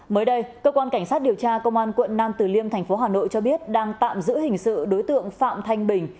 mới đây cơ quan cảnh sát điều tra công an tp nam từ liêm tp hà nội cho biết đang tạm giữ hình sự đối tượng phạm thanh bình